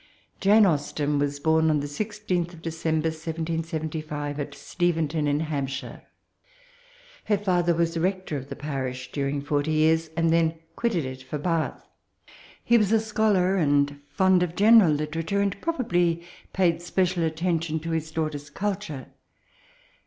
Jane Austen was bom on the 16th December 1775, at Steventon in Hampshire. Her father was rector of the parish during forty years, and then quitted it for Bath. He was a scholar, and fond of general literature, and probably paid special attenUon to his daughter's culture.